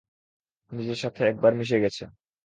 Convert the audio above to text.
নিজের সাথে একবারে মিশে গেছে।